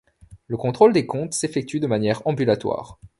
Le contrôle des comptes s'effectue de manière ambulatoire.